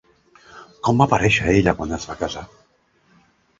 Com va aparèixer ella quan es va casar?